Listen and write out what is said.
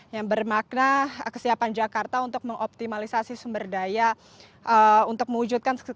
yang bermakna kesiapan jakarta untuk mengoptimalisasi sumber daya untuk mewujudkan